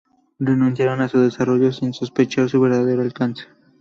Renunciaron a su desarrollo sin sospechar su verdadero alcance.